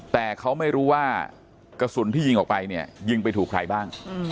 แต่เขาไม่รู้ว่ากระสุนที่ยิงออกไปเนี่ยยิงไปถูกใครบ้าง